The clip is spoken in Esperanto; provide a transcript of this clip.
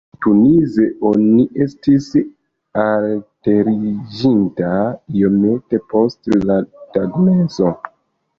Tunize oni estis alteriĝinta iomete post la tagmezo.